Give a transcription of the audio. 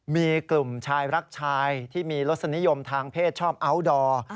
มีกลุ่มชายรักชายที่มีรสนิยมทางเพศชอบอัลดอร์